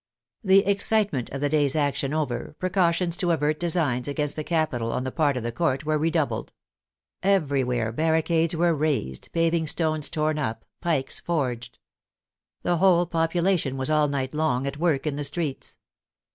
The excitement of the day's action over, precautions to avert designs against the capital on the part of the Court were redoubled. Everywhere barricades were raised, paving stones torn up, pikes forged. The whole population was all night long at work in the streets.